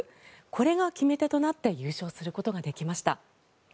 これが決め手となって優勝することができました。